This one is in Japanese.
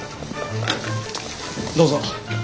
どうぞ。